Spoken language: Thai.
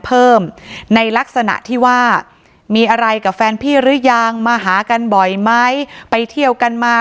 เพิ่มในลักษณะที่ว่ามีอะไรกับแฟนพี่หรือยังมาหากันบ่อยไหมไปเที่ยวกันมา